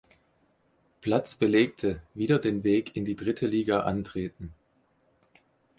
Platz belegte, wieder den Weg in die dritte Liga antreten.